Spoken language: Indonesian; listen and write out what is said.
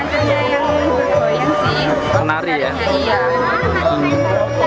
ini ada uang uang pun dan juga air mancur yang bergoyang